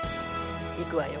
いくわよ。